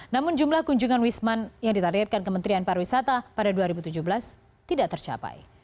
namun jumlah kunjungan wisman yang ditargetkan kementerian pariwisata pada dua ribu tujuh belas tidak tercapai